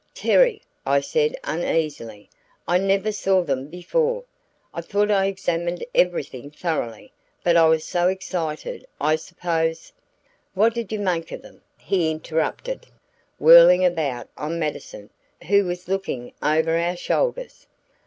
"Terry," I said uneasily, "I never saw them before. I thought I examined everything thoroughly, but I was so excited I suppose " "What did you make of them?" he interrupted, whirling about on Mattison who was looking over our shoulders.